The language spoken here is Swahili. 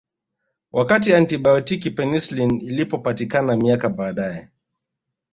Wakati antibaotiki penicillin ilipopatikana miaka baadae